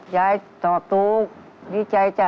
ยายตอบถูกดีใจจ้ะ